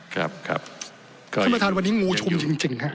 ท่านประธานวันนี้งูชุมจริงครับ